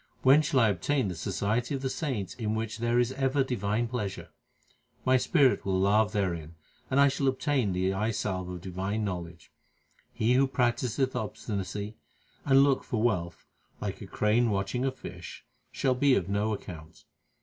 When shall I obtain the society of the saints in which there is ever divine pleasure ? My spirit will lave therein, and I shall obtain the eye salve of divine knowledge. He who practiseth obstinacy, and looketh for wealth, like a crane watching a fish, shall be of no account.